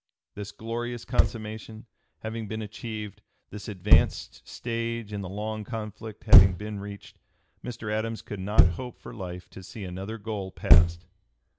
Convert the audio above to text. This glorious consummation having been achieved, this advanced stage in the long conflict having been reached, Mr. Adams could not hope for life to see another goal passed.